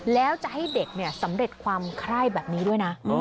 แล้วจะให้เด็กเนี่ยสำเร็จความคล่ายแบบนี้ด้วยนะ